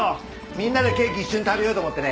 みんなでケーキ一緒に食べようと思ってね。